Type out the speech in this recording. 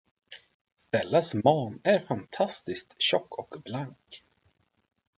Stellas man är fantastiskt tjock och blank.